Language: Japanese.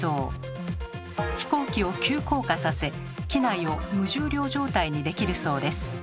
飛行機を急降下させ機内を無重量状態にできるそうです。